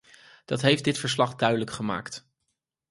Dat heeft dit verslag duidelijk gemaakt.